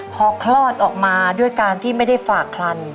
พอคลอดออกมาด้วยการที่ไม่ได้ฝากคลัน